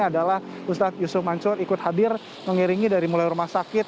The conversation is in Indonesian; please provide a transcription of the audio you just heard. adalah ustadz yusuf mancor ikut hadir mengiringi dari mulai rumah sakit